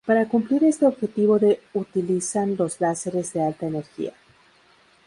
Para cumplir este objetivo de utilizan los láseres de alta energía.